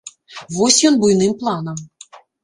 Вось ён буйным планам.